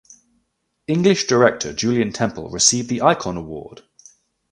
English director Julien Temple received the Icon Award.